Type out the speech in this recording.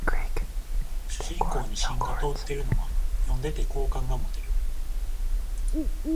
主人公に芯が通ってるというのは読んでて好感が持てる